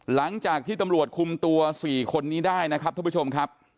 หลังจากที่ตำรวจคุมตัว๔คนนี้ได้นะครับท่านผู้ชมครับ